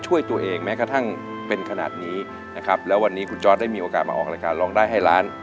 วันนี้คุณจอสได้มีโอกาสมาออกรายการร้องได้ให้ร้าน